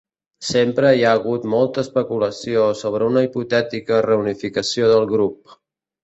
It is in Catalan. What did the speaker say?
Sempre hi ha hagut molta especulació sobre una hipotètica reunificació del grup.